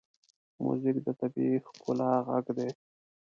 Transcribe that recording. موزیک د طبیعي ښکلا غږ دی.